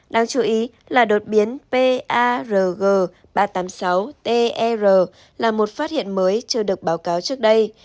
đáng chú ý là đột biến parg ba trăm tám mươi sáu ter là một phát hiện mới chưa được báo cáo trước đây